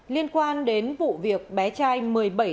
liên quan đến vụ việc bé trai một mươi bảy tuổi